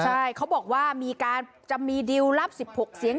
ใช่เขาบอกว่ามีการจะมีดิลลับ๑๖เสียง